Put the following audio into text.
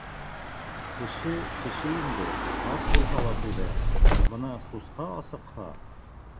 Кеше - кеше инде: ас булһа ла түҙә, бына сусҡа асыҡһа...